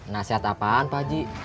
nasihat apaan pak ji